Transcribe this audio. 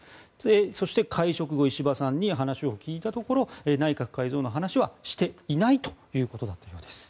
そして、会食後石破さんに話を聞いたところ内閣改造の話はしていないということだったようです。